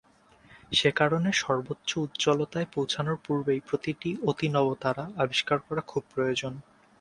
সে কারণে সর্বোচ্চ উজ্জ্বলতায় পৌঁছানোর পূর্বেই প্রতিটি অতিনবতারা আবিষ্কার করা খুব প্রয়োজন।